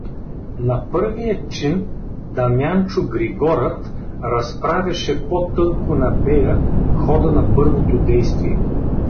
На първия чин Дамянчо Григорът разправяше по-тънко на бея хода на първото действие.